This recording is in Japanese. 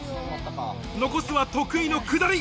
残すは得意の下り。